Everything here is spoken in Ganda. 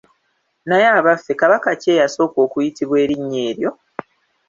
Naye abaffe Kabaka ki eyasooka okuyitibwa erinnya eryo?